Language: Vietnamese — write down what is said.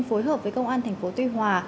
phối hợp với công an tp tuy hòa